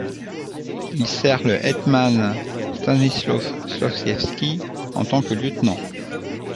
Il sert le hetman Stanisław Żółkiewski en tant que lieutenant.